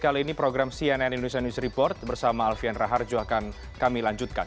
kali ini program cnn indonesia news report bersama alfian raharjo akan kami lanjutkan